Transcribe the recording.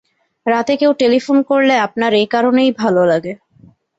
রাতে কেউ টেলিফোন করলে আপনার এ-কারণেই ভালো লাগে।